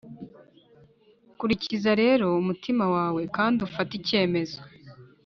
kurikiza rero umutima wawe kandi ufate icyemezo